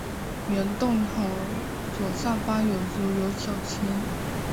原洞口左上方有竹有小亭。